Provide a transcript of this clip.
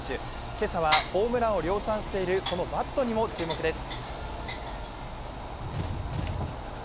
今朝はホームランを量産しているそのバットにも注目です。